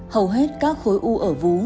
hầu hết các khối u ở vú